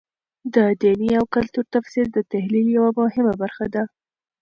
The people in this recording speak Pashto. د دیني او کلتور تفسیر د تحلیل یوه مهمه برخه ده.